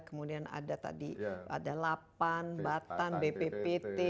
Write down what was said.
kemudian ada tadi ada lapan batan bppt